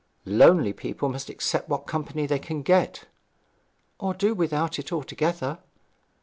Lonely people must accept what company they can get.' 'Or do without it altogether.'